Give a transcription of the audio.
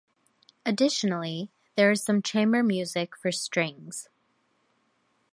Additionally, there is some chamber music for strings.